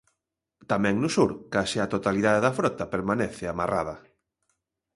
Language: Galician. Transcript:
Tamén no sur, case a totalidade da frota permanece amarrada.